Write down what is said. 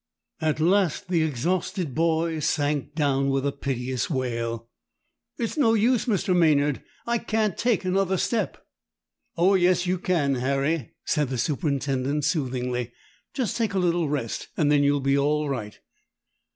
At last the exhausted boy sank down with a piteous wail,— "It's no use, Mr. Maynard, I can't take another step." "Oh yes, you can, Harry!" said the superintendent soothingly; "just take a little rest, and then you'll be all right."